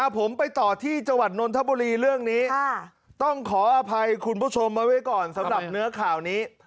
ผมไปต่อที่จังหวัดนนทบุรีเรื่องนี้ต้องขออภัยคุณผู้ชมมาไว้ก่อนสำหรับเนื้อข่าวนี้